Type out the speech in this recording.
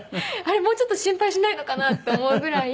もうちょっと心配しないのかな？って思うぐらい。